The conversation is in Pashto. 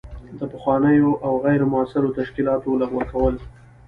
د پخوانیو او غیر مؤثرو تشکیلاتو لغوه کول.